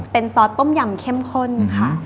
เป็นซอสต้มยำเข้มข้นค่ะ